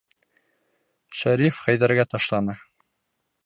Шәриф Хәйҙәргә ташлана.